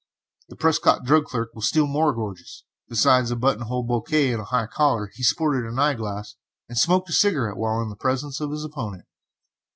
The Prescott drug clerk was still more gorgeous. Besides a buttonhole bouquet and high collar, he sported an eye glass, and smoked a cigarette while in the presence of his opponent.